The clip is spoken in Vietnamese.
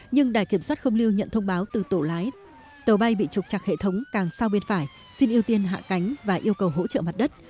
nhưng đài kiểm soát không lưu nhận thông báo từ tổ lái tàu bay bị trục chặt hệ thống càng sau bên phải xin ưu tiên hạ cánh và yêu cầu hỗ trợ mặt đất